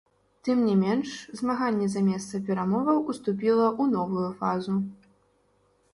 Тым не менш, змаганне за месца перамоваў уступіла ў новую фазу.